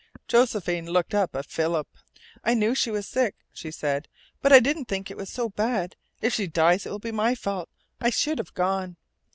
Josephine looked up at Philip. "I knew she was sick," she said. "But I didn't think it was so bad. If she dies it will be my fault. I should have gone."